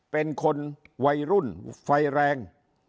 เป็นคนวัยรุ่นไฟแรง